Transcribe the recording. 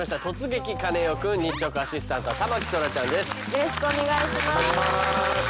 よろしくお願いします。